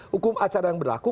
hukum acara yang berlaku